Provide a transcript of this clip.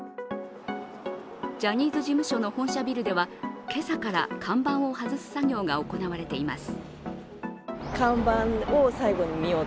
ジャニーズ事務所の本社ビルでは今朝から看板を外す作業が行われています。